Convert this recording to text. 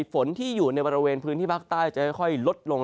ฝนที่อยู่ในบริเวณพื้นที่ภาคใต้จะค่อยลดลง